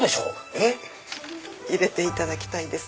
えっ？入れていただきたいんです。